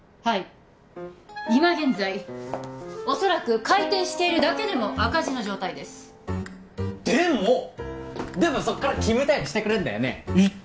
はい今現在恐らく開店しているだけでも赤字の状態ですでもでもそっからキムタヤにしてくれるんだよね？